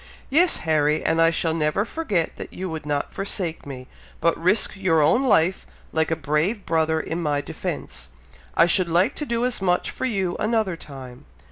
"Yes, Harry! and I shall never forget that you would not forsake me, but risked your own life, like a brave brother, in my defence. I should like to do as much for you another time!"